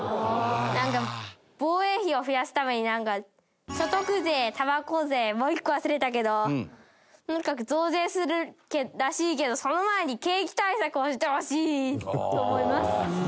防衛費を増やすためになんか所得税たばこ税もう一個忘れたけどとにかく増税するらしいけどその前に景気対策をしてほしいと思います。